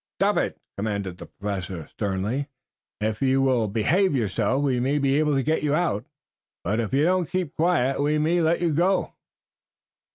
"Stop it!" commanded the Professor sternly. "If you will behave yourself we may be able to get you out, but if you don't keep quiet we may let you go."